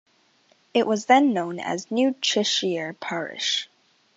It was then known as New Cheshire Parish.